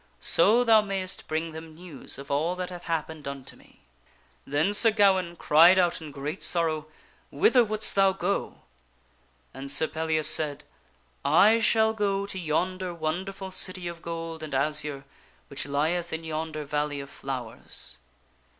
So thou mayst bring them news of all that hath happened unto me." Then Sir Gawaine cried out in great sorrow, "Whither wouldst thou go?" * And Sir Pellias said, " I shall go to yonder wonderful city of gold and azure which lieth in yonder valley of flowers."